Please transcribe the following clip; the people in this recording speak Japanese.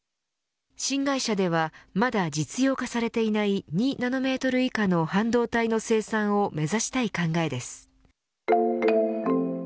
新会社ではまだ実用化されていない２ナノメートル以下の半導体の生産を目指したい考えです。